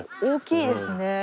大きいですね。